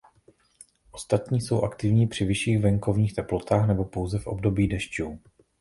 Ostatní jsou aktivní při vyšších venkovních teplotách nebo pouze v období dešťů.